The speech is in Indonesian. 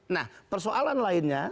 nah persoalan lainnya